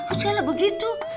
gak jalan begitu